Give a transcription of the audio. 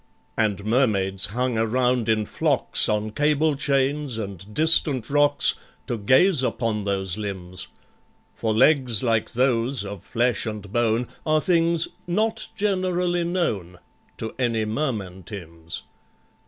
And Mermaids hung around in flocks, On cable chains and distant rocks, To gaze upon those limbs; For legs like those, of flesh and bone, Are things "not generally known" To any Merman TIMBS.